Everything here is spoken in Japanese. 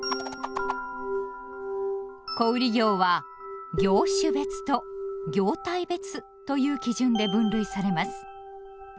小売業は「業種別」と「業態別」という基準で分類されます。